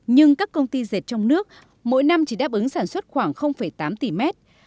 nhưng các công ty dệt trong nước mỗi năm chỉ đáp ứng sản xuất khoảng tám tỷ mét